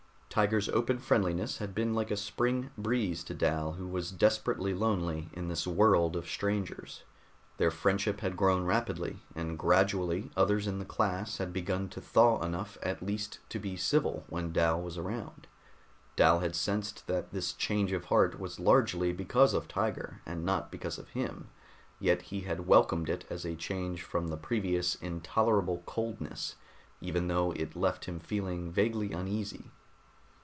Tiger's open friendliness had been like a spring breeze to Dal who was desperately lonely in this world of strangers; their friendship had grown rapidly, and gradually others in the class had begun to thaw enough at least to be civil when Dal was around. Dal had sensed that this change of heart was largely because of Tiger and not because of him, yet he had welcomed it as a change from the previous intolerable coldness even though it left him feeling vaguely uneasy.